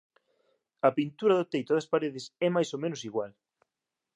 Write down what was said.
A pintura do teito e das paredes é máis ou menos igual